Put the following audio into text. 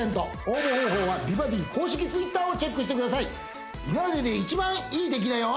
応募方法は「美バディ」公式Ｔｗｉｔｔｅｒをチェックしてください今までで一番いい出来だよ